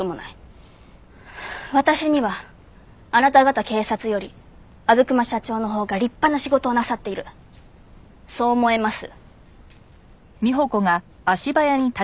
私にはあなた方警察より阿武隈社長のほうが立派な仕事をなさっているそう思えます。